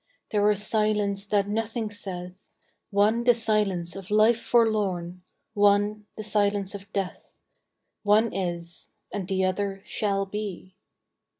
There is silence that nothing saith ; One the silence of life forlorn, One the silence of death; One is, and the other shall be.